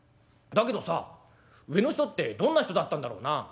だけどさ上の人ってどんな人だったんだろうな？」。